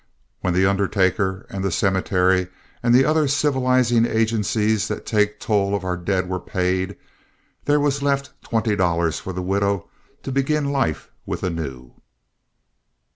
When the undertaker and the cemetery and the other civilizing agencies that take toll of our dead were paid, there was left twenty dollars for the widow to begin life with anew.